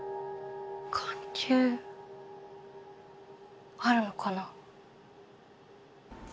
関係あるのかな？